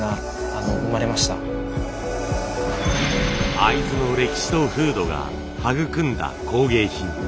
会津の歴史と風土が育んだ工芸品。